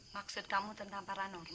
maksud kamu tentang paranormal